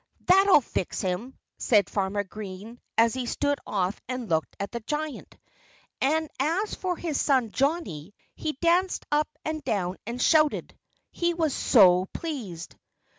"That'll fix him!" said Farmer Green, as he stood off and looked at the giant. And as for his son Johnnie, he danced up and down and shouted he was so pleased.